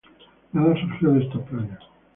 Nada surgió de estos planes.